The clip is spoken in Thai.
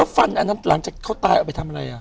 ฟันอันนั้นหลังจากเขาตายเอาไปทำอะไรอ่ะ